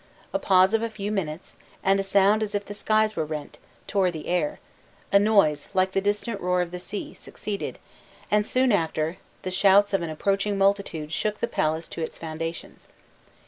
A pause of a few minutes and a sound as if the skies were rent, tore the air; a noise, like the distant roar of the sea, succeeded; and soon after, the shouts of an approaching multitude shook the palace to its foundations.